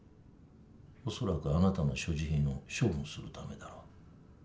恐らくあなたの所持品を処分するためだろう。